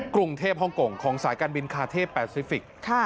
กรุงเทพฮ่องกงของสายการบินคาเทพแปซิฟิกส์